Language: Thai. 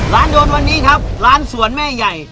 โดนวันนี้ครับร้านสวนแม่ใหญ่